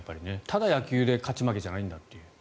ただ野球で勝ち負けじゃないんだと。